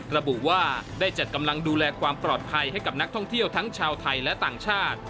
ระบุว่าได้จัดกำลังดูแลความปลอดภัยให้กับนักท่องเที่ยวทั้งชาวไทยและต่างชาติ